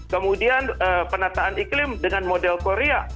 kemudian penataan iklim dengan model korea